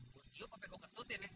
gue tiup apa kok ketutin ya